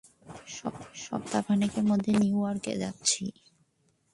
সপ্তাহখানেকের মধ্যে নিউ ইয়র্কে যাচ্ছি।